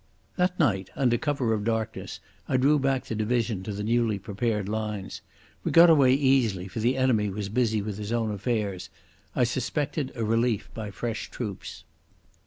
That night under cover of darkness I drew back the division to the newly prepared lines. We got away easily, for the enemy was busy with his own affairs. I suspected a relief by fresh troops.